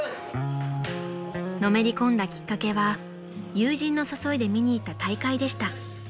［のめり込んだきっかけは友人の誘いで見に行った大会でした］